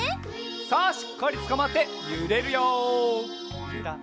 さあしっかりつかまってゆれるよ！